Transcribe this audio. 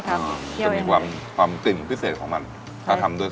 เผ็ดแบบอีซานนี่จะมีความมันครับเผ็ดแบบมันแต่ถ้าเผ็ดแบบใต้นี่จะเผ็ดแบบร้อนครับอ๋อต่างกันอย่างนี้เอง